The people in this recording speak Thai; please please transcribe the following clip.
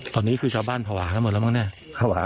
ตอนนี้คือชาวบ้านภาวะกันหมดแล้วมั้งเนี่ยภาวะ